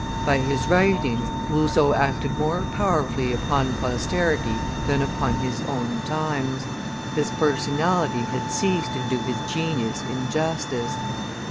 By his writings Rousseau acted more powerfully upon posterity than upon his own times: his personality had ceased to do his genius injustice.